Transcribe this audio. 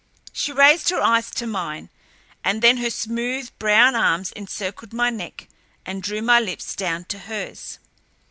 She raised her eyes to mine, and then her smooth, brown arms encircled my neck and drew my lips down to hers.